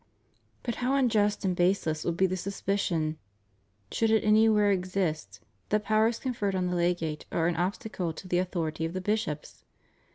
^ But how unjust and baseless would be the suspicion, should it anywhere exist, that the powers conferred on the legate are an obstacle to the authority of the bishops!